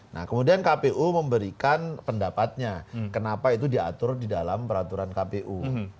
nah kemudian kpu memberikan pendapatnya kenapa itu diatur di dalam peraturan kpu